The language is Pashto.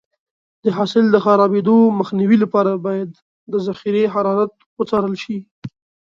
د حاصل د خرابېدو مخنیوي لپاره باید د ذخیره حرارت وڅارل شي.